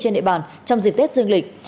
trên địa bàn trong dịp tết dương lịch